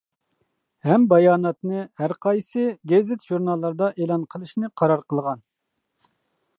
ھەم باياناتنى ھەرقايسى گېزىت-ژۇرناللاردا ئېلان قىلىشنى قارار قىلغان.